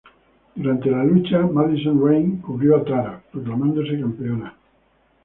Durante la lucha, Madison Rayne cubrió a Tara, proclamándose campeona.